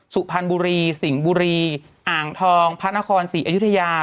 สุพรรณบุรีสิงห์บุรีอ่างทองพระนครศรีอยุธยา